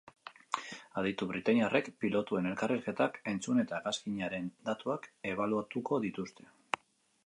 Aditu britainiarrek pilotuen elkarrizketak entzun eta hegazkinaren datuak ebaluatuko dituzte.